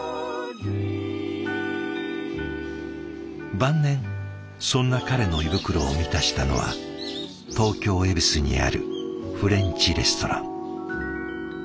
晩年そんな彼の胃袋を満たしたのは東京・恵比寿にあるフレンチレストラン。